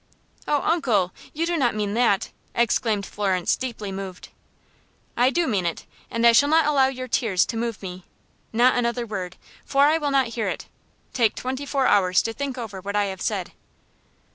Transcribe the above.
"Oh, uncle, you do not mean that?" exclaimed Florence, deeply moved. "I do mean it, and I shall not allow your tears to move me. Not another word, for I will not hear it. Take twenty four hours to think over what I have said."